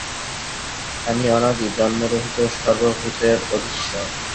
আমি অনাদি জন্মরহিত সর্বভূতের অধীশ্বর।